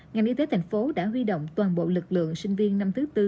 ngành y tế thành phố đã huy động toàn bộ lực lượng sinh viên năm thứ tư